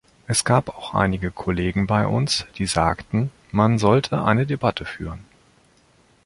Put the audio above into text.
Es gab auch einige Kollegen bei uns, die sagten, man sollte eine Debatte führen.